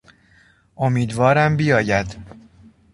امیدوارم بیاید.